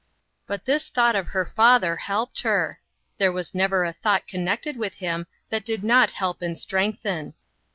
But this thought of her father helped her. There was never a thought connected with him that did not help and strengthen.